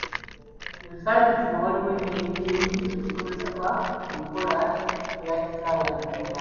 Ensangi zino waliwo engeri nnyingi ezikozesebwa mu nkola eya Kizaalaggumba.